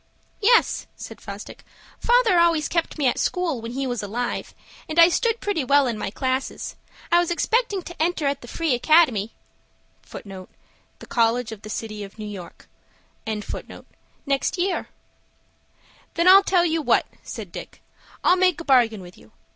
"Yes," said Fosdick. "Father always kept me at school when he was alive, and I stood pretty well in my classes. I was expecting to enter at the Free Academy* next year." * Now the college of the city of New York. "Then I'll tell you what," said Dick; "I'll make a bargain with you.